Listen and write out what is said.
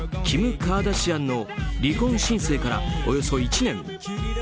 キム・カーダシアンの離婚申請からおよそ１年。